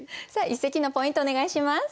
一席のポイントお願いします。